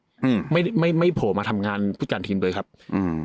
อืมไม่ไม่ไม่โผล่มาทำงานผู้จัดการทีมเลยครับอืม